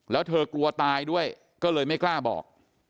แล้วเธอกลัวตายด้วยก็เลยไม่กล้าบอก